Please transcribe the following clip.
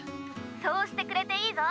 ☎そうしてくれていいぞ。